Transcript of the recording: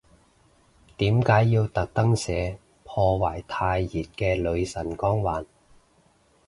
點解要特登寫，破壞太妍嘅女神光環